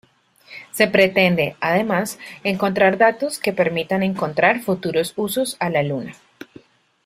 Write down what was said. Se pretende, además, encontrar datos que permitan encontrar futuros usos a la Luna.